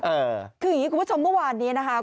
เออคืออย่างนี้คุณผู้ชมเมื่อวานนี้นะคะ